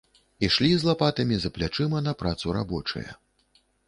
Ішлі з лапатамі за плячыма на працу рабочыя.